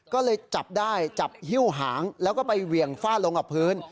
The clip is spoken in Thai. ก็เลยจับได้จับหิ้วหางแล้วก็ไปเหวี่ยงฟาดลงกับพื้น